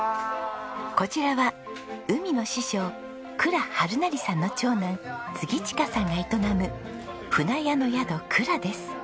こちらは海の師匠倉治成さんの長男亜衡さんが営む舟屋の宿蔵です。